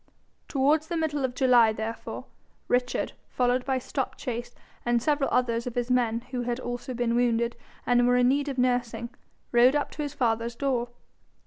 Towards the middle of July, therefore, Richard, followed by Stopchase, and several others of his men who had also been wounded and were in need of nursing, rode up to his father's door.